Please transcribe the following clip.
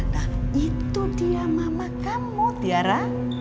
nah itu dia mama kamu tiara